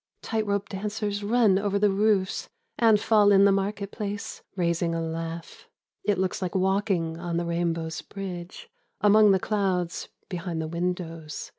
Tight rope dancers run over the roofs And fall in the market place —^ Raising a laugh. It looks like walking on the rainbow's bridge Among the clouds, behind the windows.